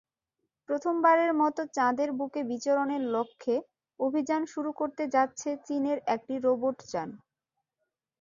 প্রথমবারের মতো চাঁদের বুকে বিচরণের লক্ষ্যে অভিযান শুরু করতে যাচ্ছে চীনের একটি রোবটযান।